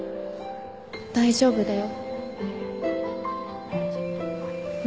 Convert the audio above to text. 大丈夫だよ正樹